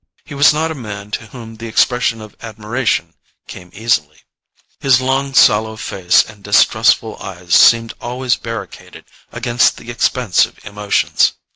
He was not a man to whom the expression of admiration came easily: his long sallow face and distrustful eyes seemed always barricaded against the expansive emotions.